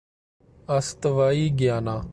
استوائی Guyana